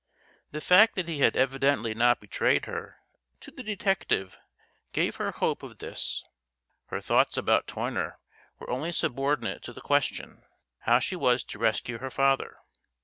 The fact that he had evidently not betrayed her to the detective gave her hope of this. Her thoughts about Toyner were only subordinate to the question, how she was to rescue her father.